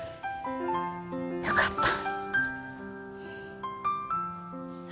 よかった。